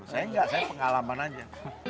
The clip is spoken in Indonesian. saya tidak saya pengalaman saja